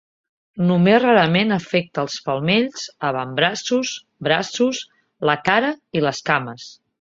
Només rarament afecta els palmells, avantbraços, braços, la cara i les cames.